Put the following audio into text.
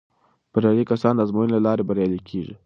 بریالي کسان د ازموینو له لارې بریالي کیږي.